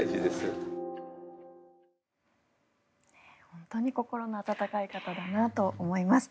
本当に心の温かい方だなと思います。